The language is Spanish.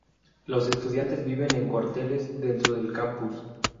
Los estudiantes viven en cuarteles dentro del campus.